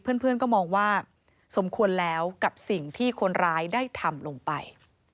เพื่อนก็มองว่าสมควรแล้วกับสิ่งที่คนร้ายได้ทำลงไป